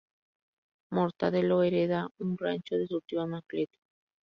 Mortadelo hereda un rancho de su tío Anacleto.